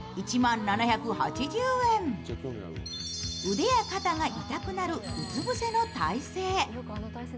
腕や肩が痛くなるうつ伏せの体勢。